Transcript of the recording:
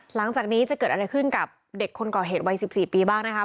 หลังจากนี้จะเกิดอะไรขึ้นกับเด็กคนก่อเหตุวัย๑๔ปีบ้างนะครับ